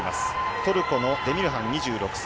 トルコのエビン・デミルハン２８歳。